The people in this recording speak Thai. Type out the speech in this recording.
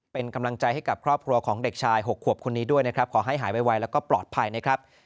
เป็นกำลังใจให้กับครอบครัวของเด็กชาย๖ขวบคนนี้ด้วยนะครับขอให้หายไวแล้วก็ปลอดภัยนะครับ